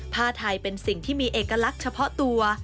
ผ้าไทยเป็นสิ่งที่มีเอกลักษณ์เฉพาะตัว